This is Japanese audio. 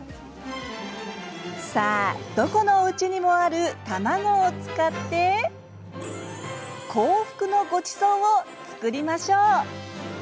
さあ、どこのおうちにもある卵を使って口福のごちそうを作りましょう。